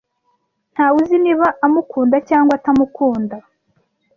Ntawe uzi niba amukunda cyangwa atamukunda.